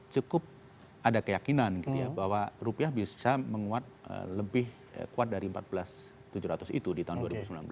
cukup ada keyakinan gitu ya bahwa rupiah bisa menguat lebih kuat dari empat belas tujuh ratus itu di tahun dua ribu sembilan belas